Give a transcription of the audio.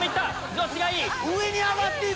女子がいい！